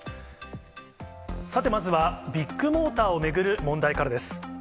さて、まずはビッグモーターを巡る問題からです。